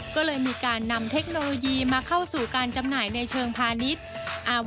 ก็เลยมีการนำเทคโนโลยีมาเข้าสู่การจำหน่ายในเชิงพาณิชย์